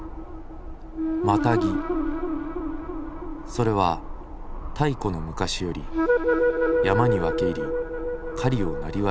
それは太古の昔より山に分け入り狩りをなりわいとしてきた山の民。